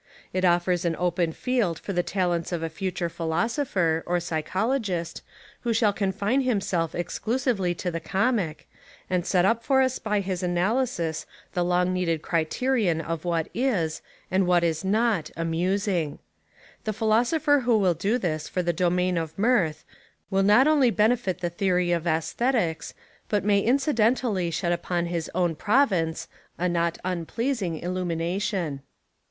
It offers an open field for the talents of a future philosopher, or psychologist, who shall confine himself exclu sively to the comic, and set up for us by his analysis the long needed criterion of what is, and what is not, amusing. The philosopher who will do this for the domain of mirth will not only benefit the theory of aesthetics, but may incidentally shed upon his own province a not unpleasing illumination.